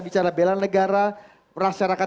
bicara bela negara rasyarakat